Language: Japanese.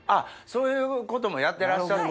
そういうこともやってらっしゃって。